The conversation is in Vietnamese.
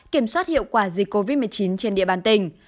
kiểm soát hiệu quả dịch covid một mươi chín trên địa bàn tỉnh